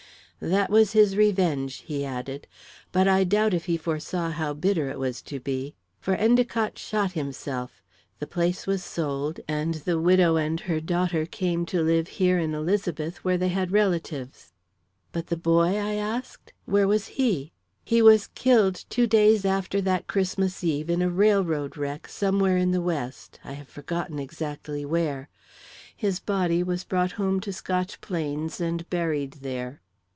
"That was his revenge," he added. "But I doubt if he foresaw how bitter it was to be. For Endicott shot himself; the place was sold, and the widow and her daughter came to live here in Elizabeth, where they had relatives." "But the boy," I asked; "where was he?" "He was killed two days after that Christmas Eve in a railroad wreck somewhere in the West I have forgotten exactly where. His body was brought home to Scotch Plains and buried there."